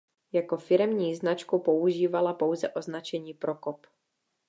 Jako firemní značku používala pouze označení Prokop.